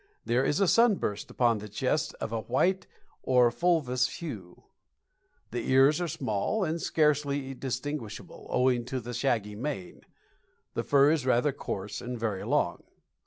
There is a sunburst upon the chest of a white or fulvous hue. The ears are small and scarcely distinguishable, owing to the shaggy mane. The fur is rather coarse and very long.